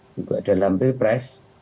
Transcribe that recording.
juga dalam pripres